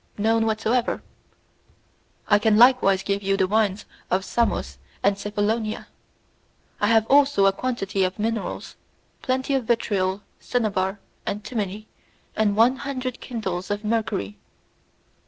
"None whatever." "I can likewise give you the wines of Samos and Cephalonia. I have also a quantity of minerals, plenty of vitriol, cinnabar, antimony, and one hundred quintals of mercury."